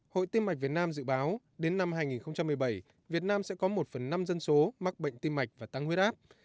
hội tiêm mạch việt nam dự báo đến năm hai nghìn một mươi bảy việt nam sẽ có một phần năm dân số mắc bệnh tim mạch và tăng huyết áp